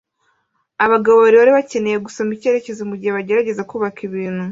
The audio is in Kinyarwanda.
Abagabo babiri bari bakeneye gusoma icyerekezo mugihe bagerageza kubaka ikintu